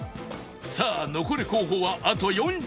さあ残る候補はあと４品